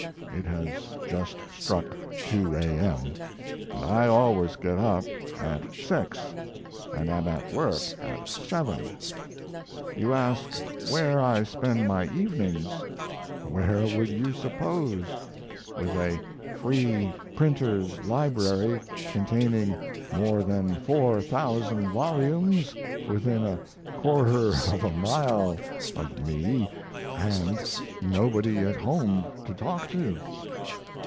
(It has just struck 2 A.M., and I always get up at 6, and am at work at 7.) You ask where I spend my evenings. Where would you suppose, with a free printer's library containing more than 4,000 volumes within a quarter of a mile of me, and nobody at home to talk to?